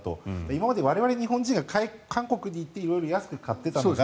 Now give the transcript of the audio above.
今まで我々日本人が韓国に行って色々安く買っていたのが。